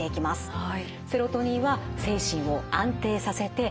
はい。